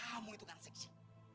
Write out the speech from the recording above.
kamu itu kan seksi